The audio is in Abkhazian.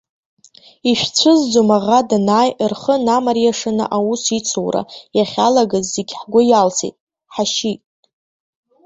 Ишәцәызӡом аӷа данааи, рхы намариашаны аус ицура иахьалагаз зегьы ҳгәы иалсит, ҳашьит.